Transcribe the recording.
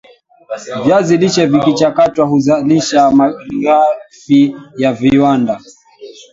viazi lishe vikichakatwa huzalisha malighafi ya viwanda